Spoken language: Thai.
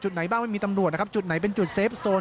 ไหนบ้างไม่มีตำรวจนะครับจุดไหนเป็นจุดเซฟโซน